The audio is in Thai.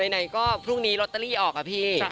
ไหนก็พรุ่งนี้ลอตเตอรี่ออกอะพี่